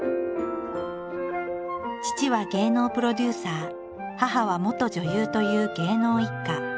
父は芸能プロデューサー母は元女優という芸能一家。